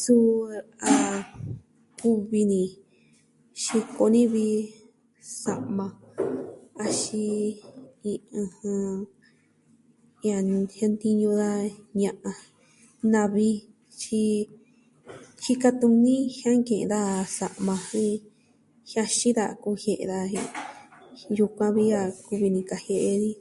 Suu a kuvi ni xiko ni vi, sa'ma. Axin, i... ɨjɨn... a nuu jiantiñu da ña'an, navi tyi jika tuni on jianke'en daja sa'ma jen jiaxin daja kujie daja jen yukuan vi a kuvi ni kajie'e ni.